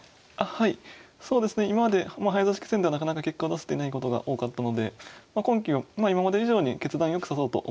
はいそうですね今まで早指し棋戦ではなかなか結果を出せていないことが多かったので今期は今まで以上に決断よく指そうと思っていました。